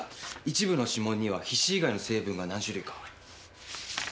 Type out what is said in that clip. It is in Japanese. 一部の指紋には皮脂以外の成分が何種類か。